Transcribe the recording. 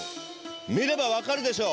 見れば分かるでしょ